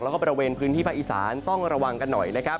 แล้วก็บริเวณพื้นที่ภาคอีสานต้องระวังกันหน่อยนะครับ